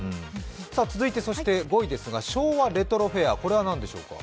続いて５位ですが、昭和レトロフェア、これはなんでしょうか。